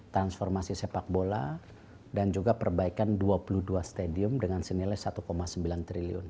transformasi sepak bola dan juga perbaikan dua puluh dua stadium dengan senilai rp satu sembilan triliun